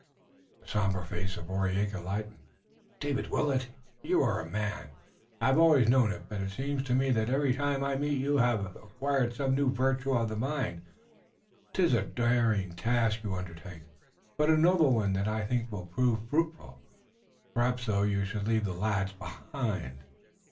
The somber face of Waraiyageh lightened. "David Willet," he said, "you are a man. I have always known it, but it seems to me that every time I meet you you have acquired some new virtue of the mind. 'Tis a daring task you undertake, but a noble one that I think will prove fruitful. Perhaps, though, you should leave the lads behind."